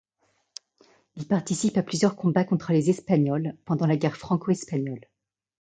Il participe à plusieurs combats contre les Espagnols pendant la guerre franco-espagnole.